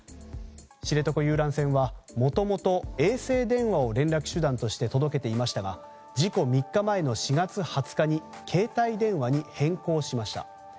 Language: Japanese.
知床遊覧船は、もともと衛星電話を連絡手段として届けていましたが事故３日前の４月２０日に携帯電話に変更しました。